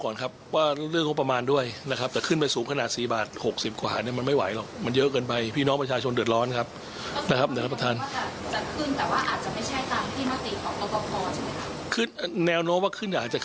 แนวโน้ตว่าขึ้นอาจจะขึ้นไปจาก๓๙๙สตางค์